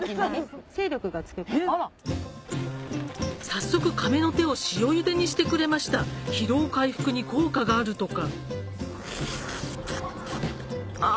早速カメノテを塩ゆでにしてくれました疲労回復に効果があるとかあ！